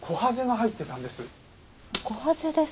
コハゼですか？